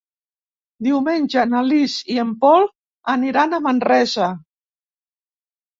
Diumenge na Lis i en Pol aniran a Manresa.